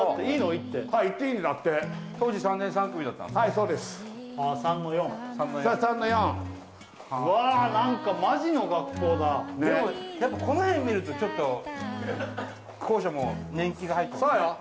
行ってはい行っていいんだって当時３年３組だったんすかはいそうですああ３−４３−４そう３−４うわ何かマジの学校だでもやっぱこの辺見るとちょっと校舎も年季が入ってるそうよ